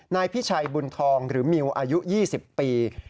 นายพิชัยบุญทองหรือมิวอายุ๒๐ปี